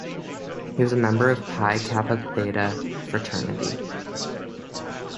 He was a member of Phi Kappa Theta fraternity.